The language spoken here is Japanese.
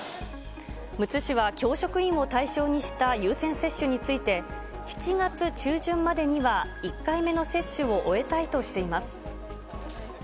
むつ市は教職員を対象にした優先接種について、７月中旬までには１回目の接種を終えたいとしています。